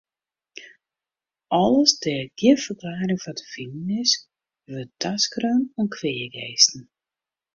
Alles dêr't gjin ferklearring foar te finen is, wurdt taskreaun oan kweageasten.